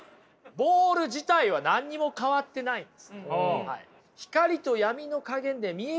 ボール自体は何にも変わってないんです。